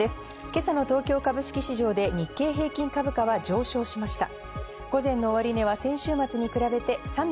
今朝の東京株式市場で日経平均株価は上昇しました。